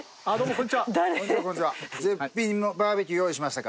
絶品のバーベキュー用意しましたから。